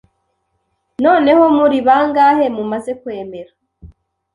noneho muri bangahe mumaze kwemera